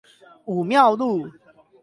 武廟路